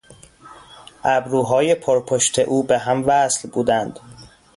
ابروهای پرپشت او به هم وصل بودند.